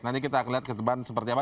nanti kita akan lihat ke depan seperti apa